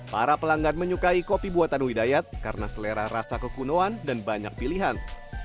para pelanggan menyukai kopi buatan widayat karena selera rasa kekunoan dan banyak pilihan